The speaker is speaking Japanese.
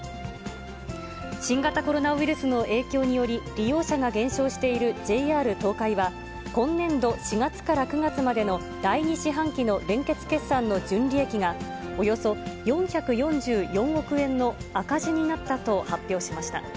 新型コロナウイルスの影響により、利用者が減少しているＪＲ東海は、今年度４月から９月までの第２四半期の連結決算の純利益がおよそ４４４億円の赤字になったと発表しました。